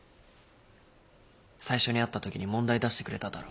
最初に会ったときに問題出してくれただろ？